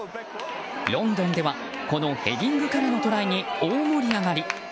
ロンドンではこのヘディングからのトライに大盛り上がり。